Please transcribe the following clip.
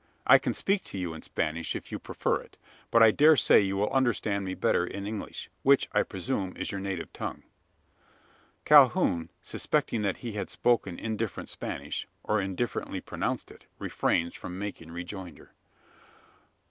I can speak to you in Spanish, if you prefer it; but I dare say you will understand me better in English: which, I presume, is your native tongue?" Calhoun, suspecting that he had spoken indifferent Spanish, or indifferently pronounced it, refrains from making rejoinder.